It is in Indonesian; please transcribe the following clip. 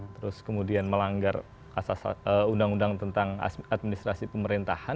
terus kemudian melanggar undang undang tentang administrasi pemerintahan